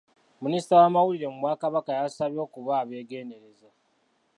Minisita w'amawulire mu Bwakabaka yabasabye okuba abeegendereza.